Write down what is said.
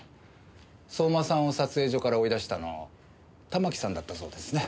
相馬さんを撮影所から追い出したの玉木さんだったそうですね？